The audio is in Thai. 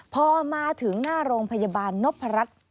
พอมาถึงหน้าโรงพยาบาลนพรัช